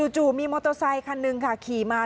จู่มีมอเตอร์ไซคันหนึ่งค่ะขี่มา